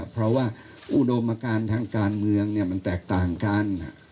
เพราะว่าอุดมการทางการเมืองมันแตกต่างกัน